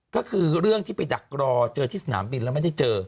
ก็คือเรื่องที่ไปดักรอเจอที่สนามบินแล้วไม่ได้เจอ